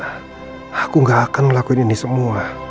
padahal janganlah kamuani kamu